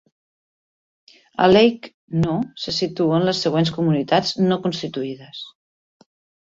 A Lake No. se situen les següents comunitats no constituïdes.